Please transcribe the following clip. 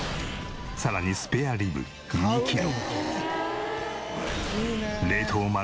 さらにスペアリブ２キロ。